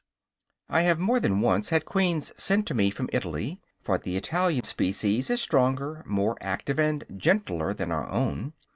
I have more than once had queens sent to me from Italy, for the Italian species is stronger, more active and gentler than our own.